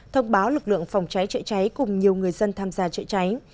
thông báo lực lượng phòng cháy chạy cháy cùng nhiều người dân tham gia chạy cháy